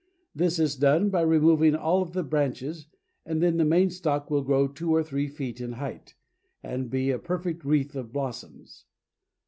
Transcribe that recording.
This is done by removing all of the branches, and then the main stock will grow two or three feet in height, and be a perfect wreath of blossoms.